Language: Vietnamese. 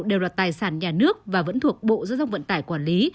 đều là tài sản nhà nước và vẫn thuộc bộ dương tông vận tải quản lý